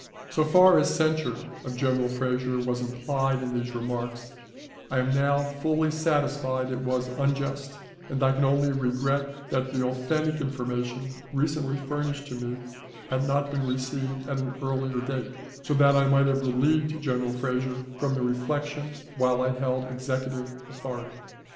So far as censure of General Frazier was implied in these remarks, I am now fully satisfied it was unjust, and I can only regret that the authentic information recently furnished to me had not been received at an earlier date, so that I might have relieved General Frazier from the reflection while I held executive authority.